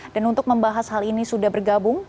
dan untuk membahas hal ini sudah bergabung